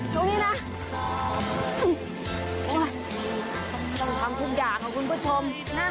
ตรงนี้นะต้องทำทุกอย่างนะคุณผู้ชมนะ